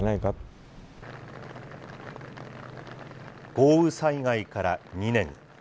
豪雨災害から２年。